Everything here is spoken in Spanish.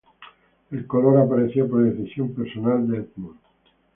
El color aparecía por decisión personal de Edmond.